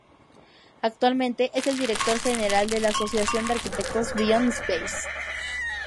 Actualmente es el director general de la asociación de arquitectos "Beyond Space".